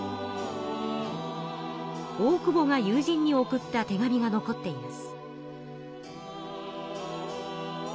大久保が友人に送った手紙が残っています。